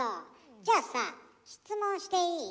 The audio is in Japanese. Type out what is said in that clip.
じゃあさ質問していい？